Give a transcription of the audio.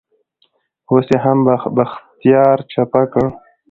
اوس يې هم بختيار چپه کړ.